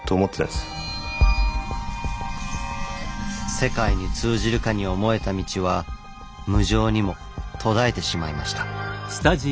世界に通じるかに思えた道は無情にも途絶えてしまいました。